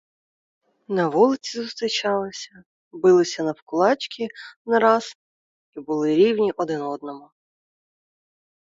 На вулиці зустрічалися, билися навкулачки не раз і були рівні один одному.